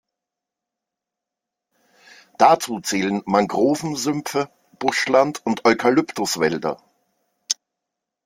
Dazu zählen Mangrovensümpfe, Buschland und Eukalyptuswälder.